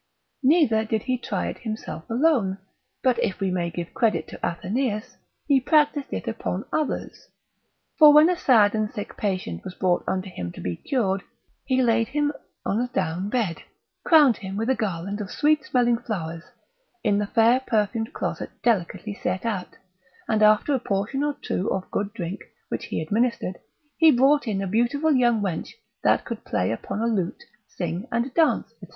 Neither did he try it himself alone, but if we may give credit to Atheneus, he practised it upon others. For when a sad and sick patient was brought unto him to be cured, he laid him on a down bed, crowned him with a garland of sweet smelling flowers, in a fair perfumed closet delicately set out, and after a portion or two of good drink, which he administered, he brought in a beautiful young wench that could play upon a lute, sing, and dance, &c.